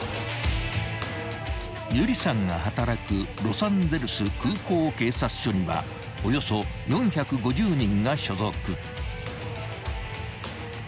［有理さんが働くロサンゼルス空港警察署にはおよそ４５０人が所属］